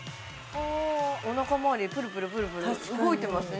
お腹周りプルプルプルプル動いてますね